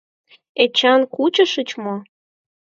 Эчан, кучышыч мо?